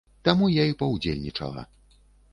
Таму я і паўдзельнічала.